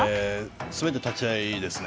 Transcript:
すべて立ち合いですね。